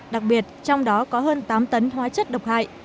đặc biệt trong đó có hơn tám tấn hóa chất độc hại